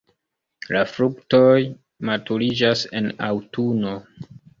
La fruktoj maturiĝas en aŭtuno.